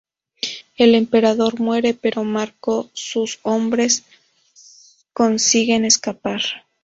El emperador muere pero Marco y sus hombres consiguen escapar.